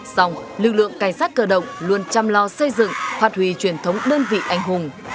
xong lực lượng cảnh sát cơ động luôn chăm lo xây dựng hoạt hủy truyền thống đơn vị anh hùng